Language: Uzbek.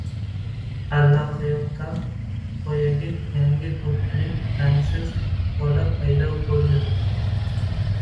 Allaqayoqdan boyagi yangi do‘ppili, rangsiz bola paydo bo‘ldi.